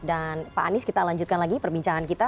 dan pak anies kita lanjutkan lagi perbincangan kita